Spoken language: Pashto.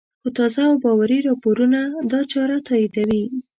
خو تازه او باوري راپورونه دا چاره تاییدوي